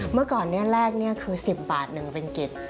เมื่อก่อนแรกคือ๑๐บาท๑เบงกิต